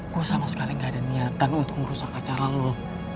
gue sama sekali gak ada niatan untuk merusak acara lo